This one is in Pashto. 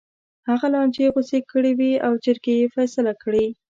هغه لانجې غوڅې کړې وې او جرګې یې فیصله کړې.